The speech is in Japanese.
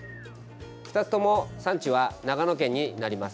２つとも産地は長野県になります。